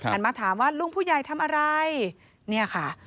มาถามว่าลุงผู้ใหญ่ทำอะไรเนี่ยค่ะ